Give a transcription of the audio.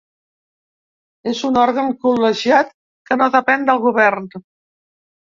És un òrgan col·legiat que no depèn del govern.